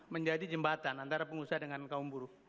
menjadi jembatan antara pengusaha dengan kaum buruh